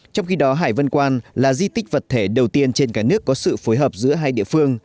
trong khi đó hải vân quan là di tích vật thể đầu tiên trên cả nước có sự phối hợp giữa hai địa phương